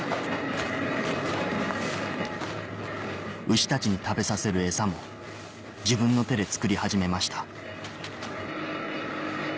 牛たちに食べさせるエサも自分の手で作り始めました